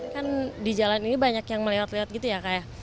kan di jalan ini banyak yang melewat lewat gitu ya kak ya